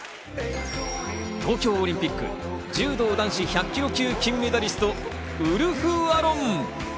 東京オリンピック柔道男子１００ｋｇ級・金メダリスト、ウルフ・アロン。